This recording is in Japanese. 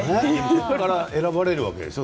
ここから選ばれるわけでしょ？